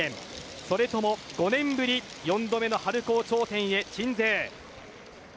それとも５年ぶり４度目の春高頂点へ、鎮西。